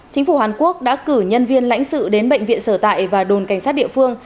chính phủ hàn quốc đã cử nhân viên lãnh sự đến bệnh viện sở tại và đồn cảnh sát địa phương